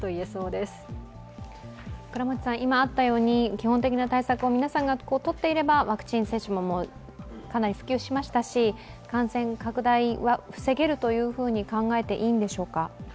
基本的な対策を皆さんがとっていればワクチン接種もかなり普及しましたし、感染拡大は防げると考えていいんでしょうか？